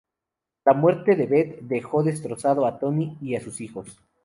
La muerte de Beth dejó destrozado a Tony y a sus hijos.